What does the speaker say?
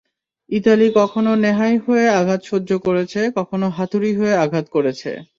Italy কখনো নেহাই হয়ে আঘাত সহ্য করেছে, কখনো হাতুড়ি হয়ে আঘাত করেছে।